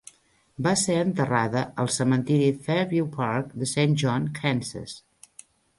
Va ser enterrada al cementiri Fairview Park de Saint John, Kansas.